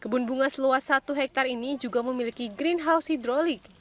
kebun bunga seluas satu hektare ini juga memiliki greenhouse hidrolik